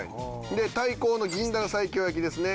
で対抗の銀だら西京焼きですね。